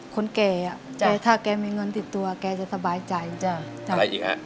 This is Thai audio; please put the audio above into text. คนแก่อ่ะใจถ้าแกมีเงินติดตัวแกจะสบายใจจะทำอะไรอีกฮะ